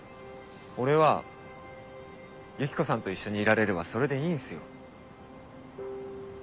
俺はユキコさんと一緒にいられればそれでいいんすよ。